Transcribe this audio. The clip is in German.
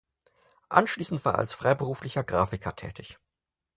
Anschließend war er als freiberuflicher Grafiker tätig.